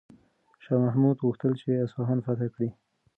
شاه محمود غوښتل چې اصفهان فتح کړي.